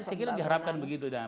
saya kira diharapkan begitu